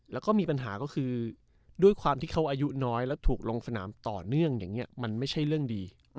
แล้วก็มีปัญหาก็คือด้วยความที่เขาอายุน้อยแล้วถูกลงสนามต่อเนื่องอย่างนี้มันไม่ใช่เรื่องดี